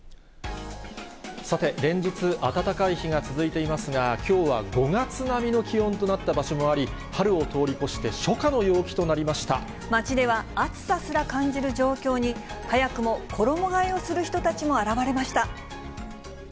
さて、連日暖かい日が続いていますが、きょうは５月並みの気温となった場所もあり、春を通り越して、街では、暑さすら感じる状況に、早くも衣がえをする人たちも現れました。